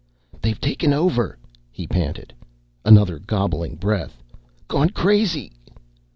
"They've taken over," he panted. Another gobbling breath. "Gone crazy."